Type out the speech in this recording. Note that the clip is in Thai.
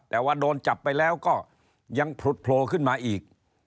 แต่ว่าโดนจับไปแล้วก็ยังผลุดโผล่ขึ้นมาอีก